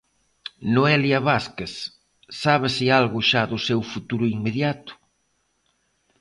Noelia Vázquez, sábese algo xa do seu futuro inmediato?